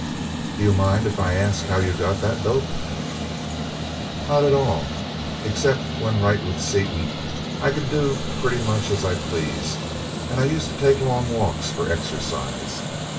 "Do you mind if I ask how you got that dope?" "Not at all. Except when right with Seaton I could do pretty much as I pleased, and I used to take long walks for exercise.